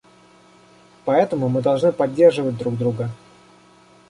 Поэтому мы должны поддерживать друг друга.